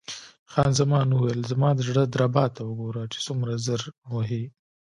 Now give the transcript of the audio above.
خان زمان وویل: زما د زړه دربا ته وګوره چې څومره زر وهي.